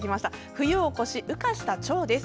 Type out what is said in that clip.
冬を越し羽化したチョウです。